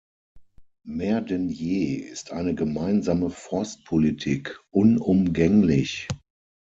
Mehr denn je ist eine gemeinsame Forstpolitik unumgänglich.